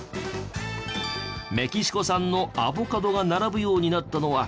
メキシコ産のアボカドが並ぶようになったのはＴＰＰの影響。